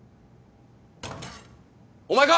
お前か？